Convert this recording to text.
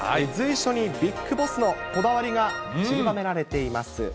随所にビッグボスのこだわりがちりばめられています。